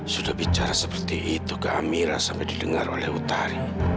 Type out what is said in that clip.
sudah bicara seperti itu ke amira sampai didengar oleh utari